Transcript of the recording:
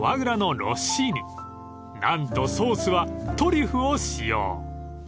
［何とソースはトリュフを使用］